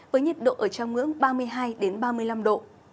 với nhiệt độ ở trong ngưỡng ba mươi hai ba mươi năm độ